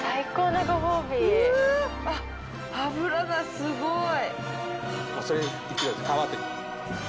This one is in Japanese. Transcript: うわ脂がすごい。